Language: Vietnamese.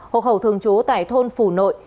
hộ khẩu thường chú tại thôn phù nội